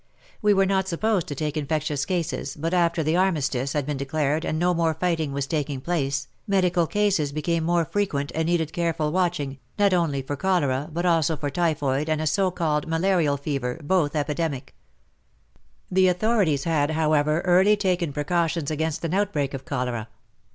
We were not supposed to take infectious cases, but after the armistice had been declared and no more fighting was taking place, medical cases became more frequent and needed careful watching, not only for cholera, but also for typhoid and a so called malarial fever, both epidemic. The authorities had, however, early taken precautions against an outbreak of cholera.